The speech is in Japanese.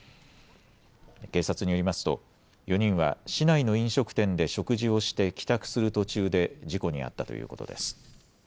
警察によりますと４人は市内の飲食店で食事をして帰宅する途中で事故に遭ったということです。